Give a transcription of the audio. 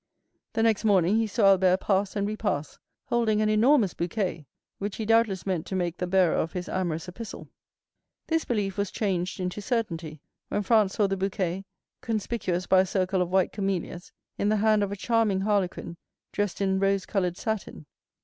The next morning he saw Albert pass and repass, holding an enormous bouquet, which he doubtless meant to make the bearer of his amorous epistle. This belief was changed into certainty when Franz saw the bouquet (conspicuous by a circle of white camellias) in the hand of a charming harlequin dressed in rose colored satin.